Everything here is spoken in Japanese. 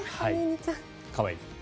可愛い。